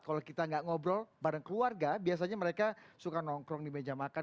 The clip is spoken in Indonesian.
kalau kita nggak ngobrol bareng keluarga biasanya mereka suka nongkrong di meja makan